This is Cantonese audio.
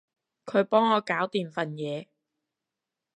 佢幫我搞掂份嘢